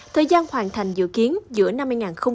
thời gian hoàn thành dự kiến giữa năm hai nghìn hai mươi năm